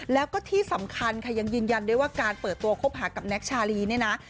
แล้วก็ที่สำคัญค่ะยังยืนยันด้วยว่าการเปิดตัวคบหากับแน็กชาลีเนี่ยนะ